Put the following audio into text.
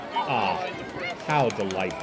Ah, how delightful!